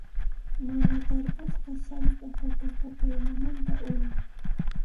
Mana tarpusqa sallqa papaqa payllamanta urin.